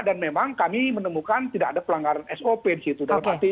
dan memang kami menemukan tidak ada pelanggaran sop di situ